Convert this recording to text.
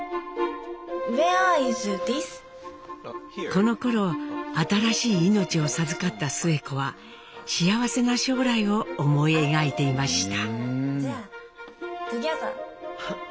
このころ新しい命を授かったスエ子は幸せな将来を思い描いていました。